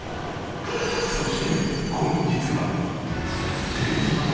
そして本日は。